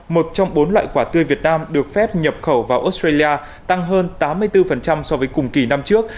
một trong bốn loại quả tươi việt nam được phép nhập khẩu vào australia tăng hơn tám mươi bốn so với cùng kỳ năm trước